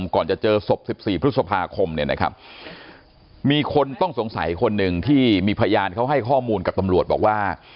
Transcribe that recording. ก่อนจะเจอศพ๑๔พฤษภาคมเนี่ยนะครับมีคนต้องสงสัยคนหนึ่งที่มีพยานเขาให้ข้อมูลกับตำรวจบอกว่า